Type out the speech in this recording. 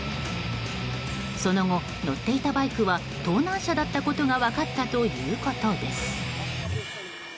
その後、乗っていたバイクは盗難車だったことが分かったということです。